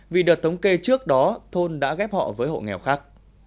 vì đợt thống kê trước đó thôn đã ghép họ với hộ nghèo khác